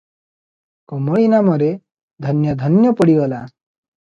କମଳୀ ନାମରେ ଧନ୍ୟ ଧନ୍ୟ ପଡ଼ିଗଲା ।